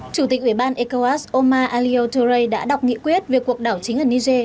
chủ tịch ủy ban ecowas omar aliotore đã đọc nghị quyết về cuộc đảo chính ở niger